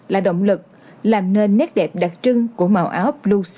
là động lực là nền nét đẹp đặc trưng của màu áo blue xanh trên tuyến đầu chống dịch